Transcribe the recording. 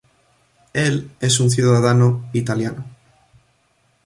Él es un ciudadano italiano.